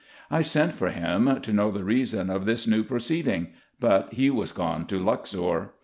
I sent for him, to know the reason of this new pro ceeding ; but he was gone to Luxor.